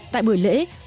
tại buổi lễ